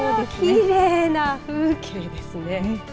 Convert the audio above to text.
きれいな風景ですね。